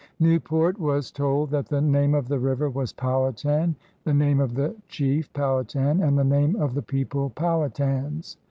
Newport was told that the name of the river was Powhatan, the name of the chief Powhatan, and the name of the people Powhatans.